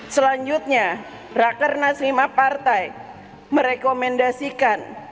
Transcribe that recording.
selanjutnya raker naslimah partai merekomendasikan